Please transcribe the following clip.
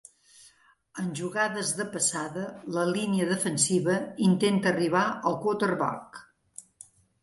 En jugades de passada, la línia defensiva intenta arribar al quarterback.